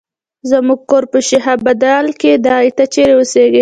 زمونږ کور په شیخ ابدال کې ده، ته چېرې اوسیږې؟